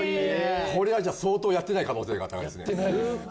これはじゃあ相当やってない可能性が高いですね。